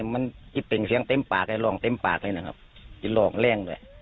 มันคิดเป็นเสียงเต็มปากเลยลองเต็มปากเลยนะครับกินลองแรงด้วย